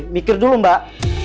mikir dulu mbak